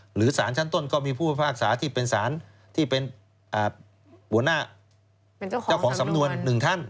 หรือสารชั้นต้นก็มีผู้พิพากษาที่เป็นสารที่เป็นหัวหน้าเจ้าของสำนวนหนึ่งท่าน